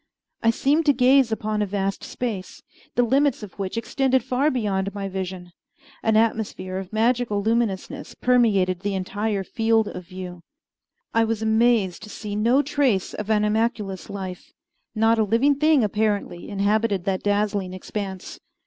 I seemed to gaze upon a vast space, the limits of which extended far beyond my vision. An atmosphere of magical luminousness permeated the entire field of view. I was amazed to see no trace of animalculous life. Not a living thing, apparently, inhabited that dazzling expanse.